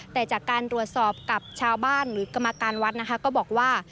แต่จากการตรวจสอบกับชาวบ้านหรือกรรมการวัดนะคะก็บอกว่า